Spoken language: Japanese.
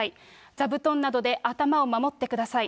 座布団などで頭を守ってください。